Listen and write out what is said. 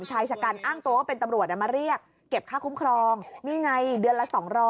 ชายชะกันอ้างตัวว่าเป็นตำรวจมาเรียกเก็บค่าคุ้มครองนี่ไงเดือนละ๒๐๐